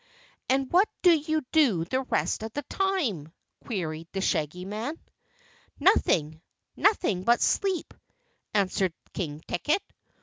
"And what do you do the rest of the time?" queried the Shaggy Man. "Nothing nothing but sleep," answered King Ticket.